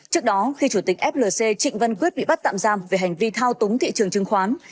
trước đó khi chủ tịch flc trịnh văn quyết bị bắt tạm giam về hành vi thao túng thị trường chứng khoán